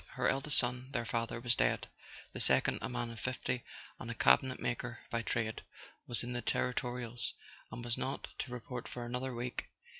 Her eldest son, their father, was dead; the second, a man of fifty, and a cabinetmaker by trade, was in the territorials, and was not to report for another week.